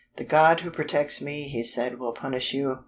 'The God who protects me,' he said, 'will punish you.